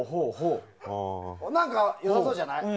何か、良さそうじゃない？